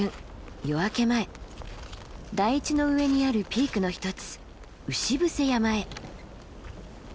夜明け前台地の上にあるピークの一つ牛伏山へ。